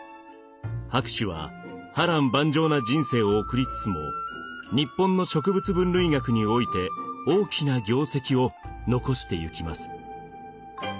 博士は波乱万丈な人生を送りつつも日本の植物分類学において大きな業績を残してゆきます。